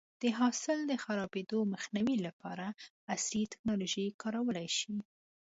د حاصل د خرابېدو مخنیوی لپاره عصري ټکنالوژي کارول شي.